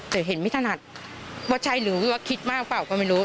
แต่เห็นไม่ถนัดว่าใช่หรือว่าคิดมากเปล่าก็ไม่รู้